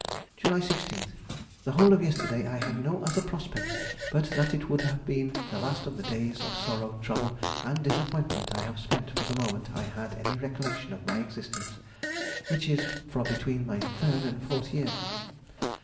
July 16th.—The whole of yesterday I had no other prospect but that it would have been the last of the days of sorrow, trouble, and disappointment I have spent from the moment I had any recollection of my existence, which is from between my third and fourth year....